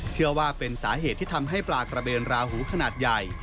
เชื่อว่าเป็นสาเหตุที่ทำให้ปลากระเบนราหูขนาดใหญ่